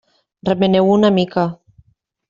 Remeneu-ho una mica.